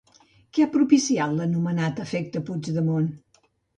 Què ha propiciat l'anomenat efecte Puigdemont?